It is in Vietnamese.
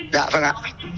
dạ vâng ạ